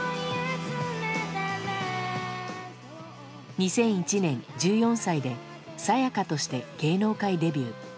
２００１年、１４歳でＳＡＹＡＫＡとして芸能界デビュー。